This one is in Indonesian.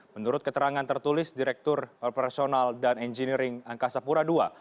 menurut keterangan tertulis direktur operasional dan engineering angkasa pura ii